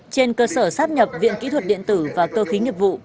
trên cơ sở sáp nhập viện kỹ thuật điện tử và cơ khí nhiệp vụ